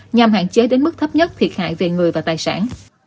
nhằm hạn chế đến mức thấp nhất thiệt hại về người và tài sản